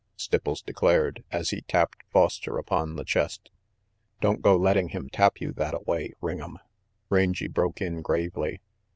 Stipples declared, as he tapped Foster upon the chest. "Don't go letting him tap you thattaway, Ring'em," Rangy broke in gravely.